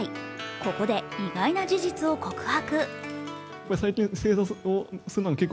ここで意外な事実を告白。